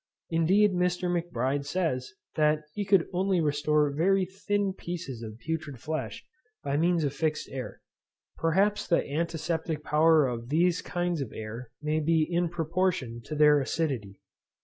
Indeed Dr. Macbride says, that he could only restore very thin pieces of putrid flesh by means of fixed air. Perhaps the antiseptic power of these kinds of air may be in proportion to their acidity.